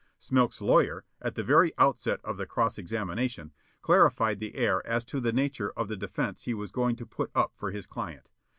Smilk's lawyer, at the very outset of the cross examination, clarified the air as to the nature of the defense he was going to put up for his client.